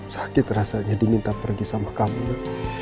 sakit rasanya diminta pergi sama kamu mbak